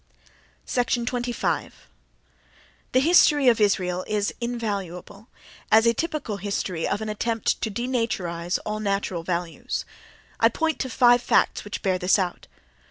25. The history of Israel is invaluable as a typical history of an attempt to denaturize all natural values: I point to five facts which bear this out.